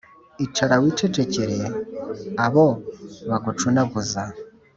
Icara wicecekere Abo bagucunaguza